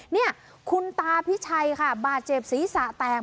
นี่คุณตาพิชัยค่ะบาดเจ็บศีรษะแตก